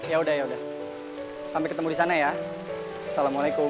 ya udah yaudah sampai ketemu di sana ya assalamualaikum